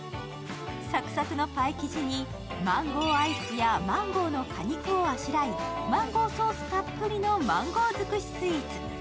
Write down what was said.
サクサクのパイ生地にマンゴーアイスやマンゴーの果肉をあしらい、マンゴーソースたっぷりのマンゴーづくしスイーツ。